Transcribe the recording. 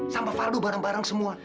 sama faldo bareng bareng semua